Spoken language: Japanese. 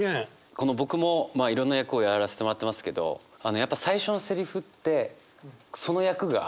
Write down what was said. この僕もまあいろんな役をやらせてもらってますけどやっぱ最初のセリフってその役が決まっちゃうんですよ。